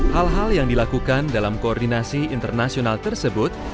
hal hal yang dilakukan dalam koordinasi internasional tersebut